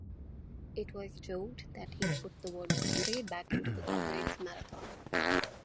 It was joked that he put the word 'comrade' back into the Comrades Marathon.